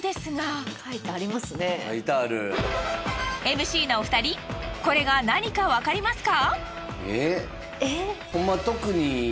ＭＣのお二人これが何かわかりますか？